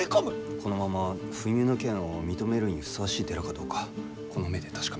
このまま不入の権を認めるにふさわしい寺かどうかこの目で確かめる。